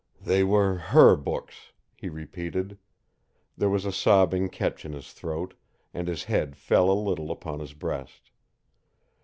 "They were HER books," he repeated. There was a sobbing catch in his throat, and his head fell a little upon his breast.